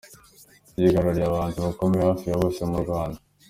Yigaruriye abahanzi bakomeye hafi ya bose mu Rwanda.